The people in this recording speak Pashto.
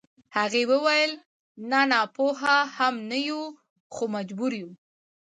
هغې وويل نه ناپوهه هم نه يو خو مجبور يو.